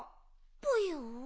ぽよ？